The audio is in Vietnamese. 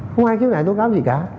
không ai khiếu nại tố cáo gì cả